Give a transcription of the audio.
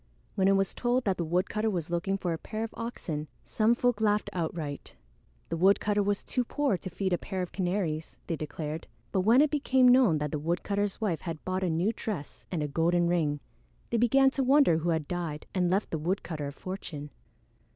When it was told that the woodcutter was looking for a pair of oxen, some folk laughed outright. The woodcutter was too poor to feed a pair of canaries, they declared; but when it became known that the woodcutter's wife had bought a new dress and a golden ring, they began to wonder who had died and left the woodcutter a fortune.